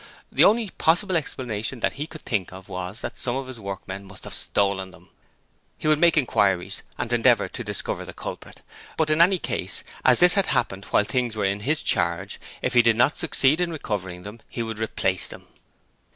The only possible explanation that he could think of was that some of his workmen must have stolen them! He would make inquiries, and endeavour to discover the culprits, but in any case, as this had happened while things were in his charge, if he did not succeed in recovering them, he would replace them.